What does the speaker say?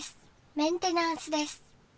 メンテナンスです。